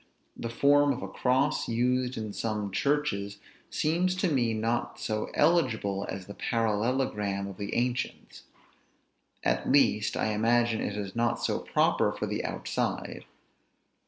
The form of a cross used in some churches seems to me not so eligible as the parallelogram of the ancients; at least, I imagine it is not so proper for the outside.